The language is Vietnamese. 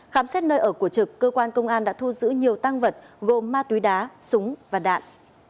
khám xét nơi ở của trực cơ quan công an đã thu giữ nhiều tăng vật gồm ma túy đá súng và đạn